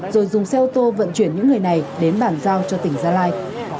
rồi dùng xe ô tô vận chuyển những người này đến bàn giao cho tỉnh gia lai